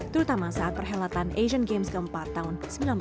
terutama saat perhelatan asian games keempat tahun seribu sembilan ratus sembilan puluh